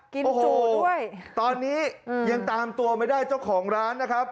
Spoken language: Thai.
จู่ด้วยตอนนี้ยังตามตัวไม่ได้เจ้าของร้านนะครับ